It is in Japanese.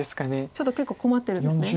ちょっと結構困ってるんですね。